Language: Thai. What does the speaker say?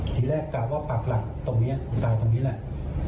ทีแรกกะว่าปากหลักตรงนี้ตายตรงนี้แหละ